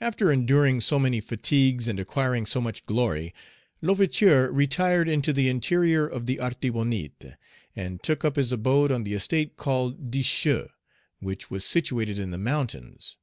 After enduring so many fatigues and acquiring so much glory, L'Ouverture retired into the interior Page 89 of the Artibonite, and took up his abode on the estate called Deschaux, which was situated in the mountains.